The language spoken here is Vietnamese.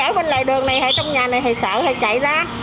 ai ở bên lại đường này hay trong nhà này thì sợ thì chạy ra